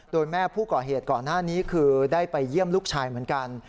โดยแม่ผู้ก่อเหตุก่อนหน้านี้คือได้ไปเยี่ยมลูกชายเหมือนกัน